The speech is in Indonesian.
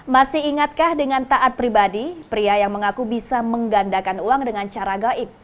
masih ingatkah dengan taat pribadi pria yang mengaku bisa menggandakan uang dengan cara gaib